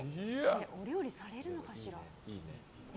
お料理されるのかしらね。